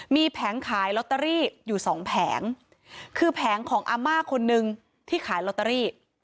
มีแผงขายลอตเตอรี่อยู่สองแผงคือแผงของอาม่าคนนึงที่ขายลอตเตอรี่